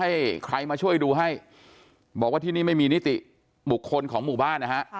ให้ใครมาช่วยดูให้บอกว่าที่นี่ไม่มีนิติบุคคลของหมู่บ้านนะฮะ